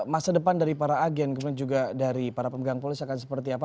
masa depan dari para agen kemudian juga dari para pemegang polis akan seperti apa